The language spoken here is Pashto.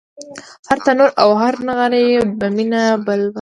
هر تنور او هر نغری په مینه بل و